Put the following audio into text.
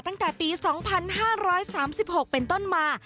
ตั้งแต่ปี๒๕๓๖เป็นต้นมา